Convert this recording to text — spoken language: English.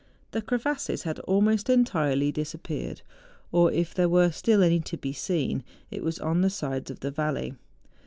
The cre¬ vasses had almost entirely disappeared, or, if there were still any to be seen, it was on the sides of the valley.